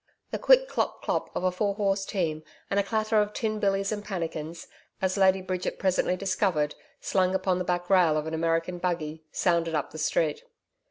The quick CLOP CLOP of a four horse team and a clatter of tin billys and pannikins as Lady Bridget presently discovered slung upon the back rail of an American buggy sounded up the street.